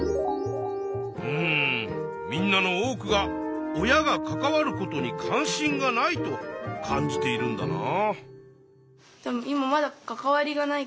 うんみんなの多くが親が関わることに関心がないと感じているんだな。